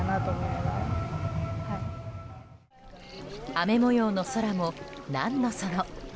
雨模様の空も、何のその。